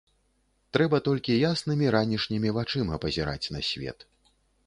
Трэба толькі яснымі ранішнімі вачыма пазіраць на свет.